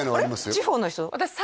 地方の人？